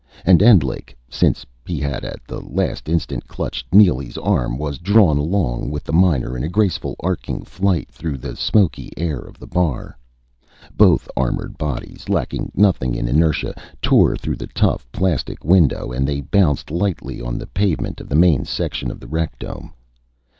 And Endlich, since he had at the last instant clutched Neely's arm, was drawn along with the miner in a graceful, arcing flight through the smoky air of the bar. Both armored bodies, lacking nothing in inertia, tore through the tough plastic window, and they bounced lightly on the pavement of the main section of the rec dome.